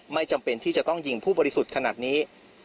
ไม่จำเป็นที่จะต้องยิงผู้บริสุทธิ์ขนาดนี้